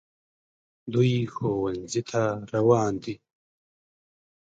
دوی ښوونځي ته روان دي